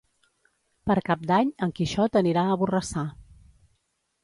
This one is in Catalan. Per Cap d'Any en Quixot anirà a Borrassà.